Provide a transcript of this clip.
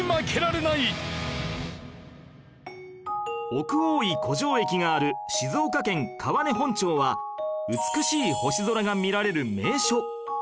奥大井湖上駅がある静岡県川根本町は美しい星空が見られる名所